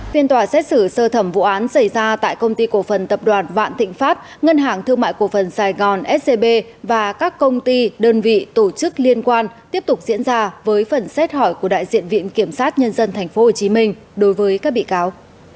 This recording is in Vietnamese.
phiên tòa xét xử sơ thẩm vụ án xảy ra tại công ty cổ phần tập đoàn vạn thịnh pháp ngân hàng thương mại cổ phần sài gòn scb và các công ty đơn vị tổ chức liên quan tiếp tục diễn ra với phần xét hỏi của đại diện viện kiểm sát nhân dân tp hcm đối với các bị cáo